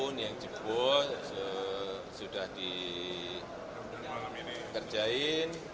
ini yang jebuk sudah dikerjain